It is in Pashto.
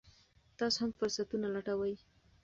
تاسو هم فرصتونه لټوئ.